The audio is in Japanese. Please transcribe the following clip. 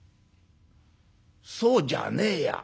そうじゃねえや。